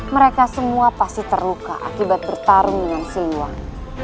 mereka semua pasti terluka akibat bertarung dengan siluang